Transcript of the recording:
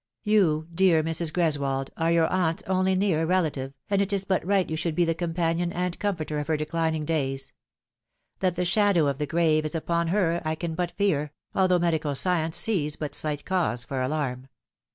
" You, dear Mrs. Greswold, are your aunt's only near rela tive, and it is but right you should be the companion and comforter of her declining days. That the shadow of the grave is upon her I can but fear, although medical science sees but slight cause for alarm.